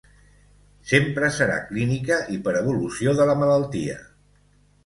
Sempre serà clínica i per evolució de la malaltia.